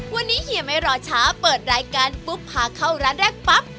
วันนี้เฮียไม่รอช้าเปิดรายการปุ๊บพาเข้าร้านแรกปั๊บ